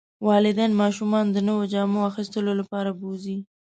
والدین ماشومان د نویو جامو اخیستلو لپاره بوځي.